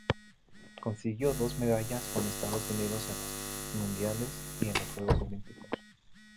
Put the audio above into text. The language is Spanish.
Consiguió dos medallas con Estados Unidos en los mundiales y en los Juegos Olímpicos.